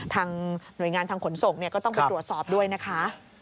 หน่วยงานทางขนส่งก็ต้องไปตรวจสอบด้วยนะคะ